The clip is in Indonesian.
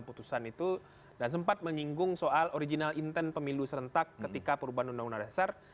putusan itu dan sempat menyinggung soal original intent pemilu serentak ketika perubahan undang undang dasar